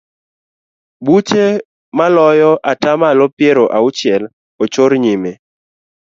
Buche maloyo ata malo piero auchiel ochor nyime.